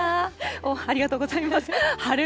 ありがとうございます。